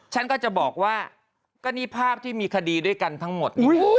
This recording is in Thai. ฉันก็จะบอกว่าก็นี่ภาพที่มีคดีด้วยกันทั้งหมด